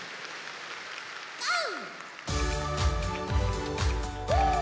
ゴー！